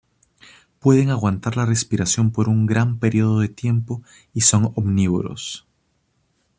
Pueden aguantar la respiración por un gran periodo de tiempo y son omnívoros.